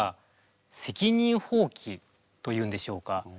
責任放棄というんでしょうか。